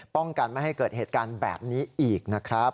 ป้องกันไม่ให้เกิดเหตุการณ์แบบนี้อีกนะครับ